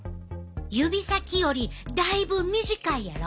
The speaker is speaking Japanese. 指先よりだいぶ短いやろ？